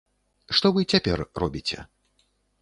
Што вы цяпер робіце?